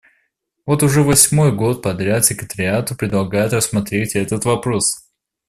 Вот уже восьмой год подряд Секретариату предлагают рассмотреть этот вопрос.